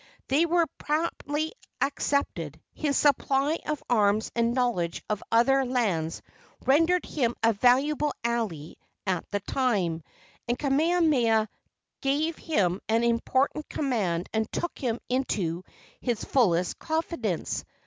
They were promptly accepted. His supply of arms and knowledge of other lands rendered him a valuable ally at the time, and Kamehameha gave him an important command and took him into his fullest confidence.